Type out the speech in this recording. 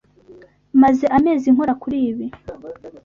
Maze amezi nkora kuri ibi.